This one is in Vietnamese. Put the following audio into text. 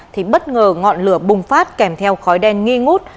thì bất ngờ ngọn lửa bùng phát kèm theo khói đen nghi ngút